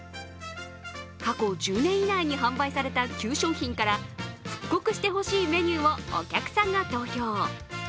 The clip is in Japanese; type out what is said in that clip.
過去１０年以内に販売された旧商品から復刻してほしいメニューをお客さんが投票。